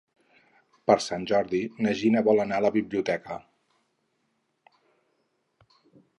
Per Sant Jordi na Gina vol anar a la biblioteca.